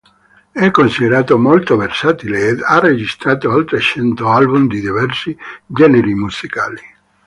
È considerato molto versatile ed ha registrato oltre cento album di diversi generi musicali.